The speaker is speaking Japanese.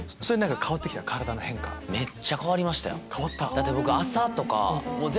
だって僕。